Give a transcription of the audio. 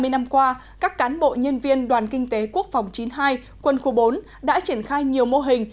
hai mươi năm qua các cán bộ nhân viên đoàn kinh tế quốc phòng chín mươi hai quân khu bốn đã triển khai nhiều mô hình